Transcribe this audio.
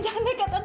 jangan naik pak